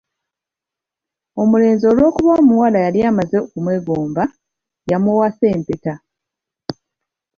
"Omulenzi olw’okuba omuwala yali amaze okumwegomba, yamuwasa empeta."